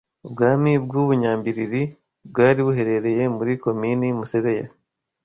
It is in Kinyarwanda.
Ubwami bw’u Bunyambilili bwari buherereye muri Komini Musebeya